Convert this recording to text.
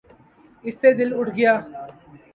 اس سے دل اٹھ گیا۔